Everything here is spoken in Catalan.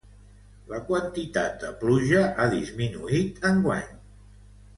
La quantitat de pluja ha disminuït enguany.